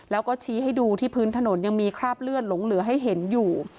แล้วก็ชี้ให้ดูที่พื้นถนนยังมีคราบเลือดหลงเหลือให้เห็นอยู่